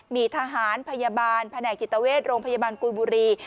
มีทหารพยาบาลแผนกจิตเวชโรงพยาบาลกุยบุรี